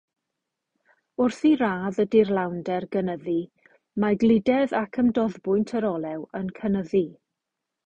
Wrth i radd y dirlawnder gynyddu, mae gludedd ac ymdoddbwynt yr olew yn cynyddu.